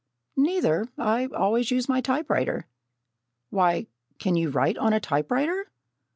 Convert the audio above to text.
"Neither, I always use a typewriter." "Why, can you write on a typewriter?"